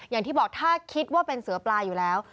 อย่างที่บอกถ้าคิดว่าเป็นเสือปลาอยู่แล้ว